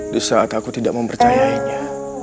di saat aku tidak mempercayainya